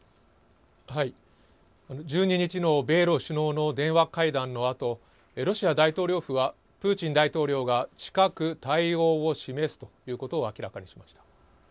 １２日の米ロ首脳の電話会談のあとロシア大統領府はプーチン大統領が近く対応を示すということを明らかにしました。